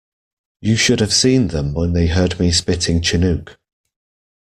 You should have seen them when they heard me spitting Chinook.